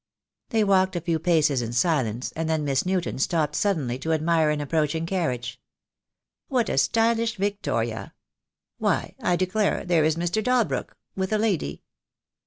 They walked a few paces in silence, and then Miss Newton stopped suddenly to admire an approaching carriage. "What a stylish Victoria! Why, I declare there is Mr. Dalbrook, with a lady!"